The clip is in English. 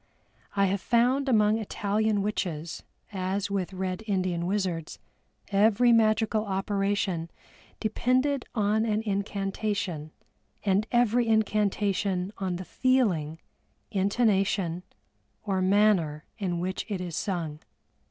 I have found among Italian witches as with Red Indian wizards, every magical operation depended on an incantation, and every incantation on the feeling, intonation, or manner in which it is sung.